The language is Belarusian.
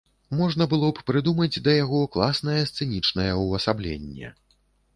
Можна было б прыдумаць да яго класнае сцэнічнае ўвасабленне.